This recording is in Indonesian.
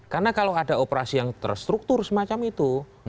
karena kalau ada operasi yang terstruktur semacam itu